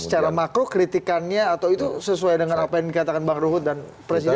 secara makro kritikannya atau itu sesuai dengan apa yang dikatakan bang ruhut dan presiden